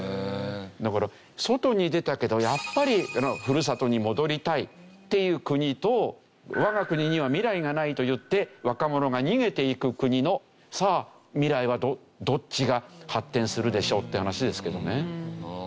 だから外に出たけどやっぱりふるさとに戻りたいっていう国と我が国には未来がないといって若者が逃げていく国のさあ未来はどっちが発展するでしょうって話ですけどね。